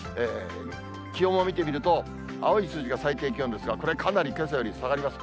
気温を見てみると、青い数字が最低気温ですが、これ、かなりけさより下がります。